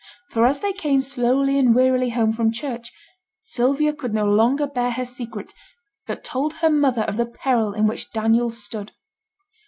For as they came slowly and wearily home from church, Sylvia could no longer bear her secret, but told her mother of the peril in which Daniel stood.